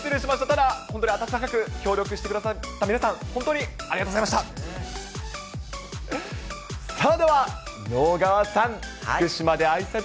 ただ、本当に温かく協力してくださった皆さん、本当にありがとうございました。